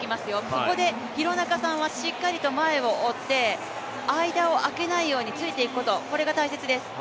ここで、廣中さんはしっかりと前を追って間を空けないようついて行くこと、これが大切です。